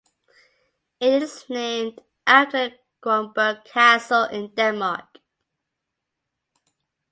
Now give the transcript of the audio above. It is named after Kronborg Castle in Denmark.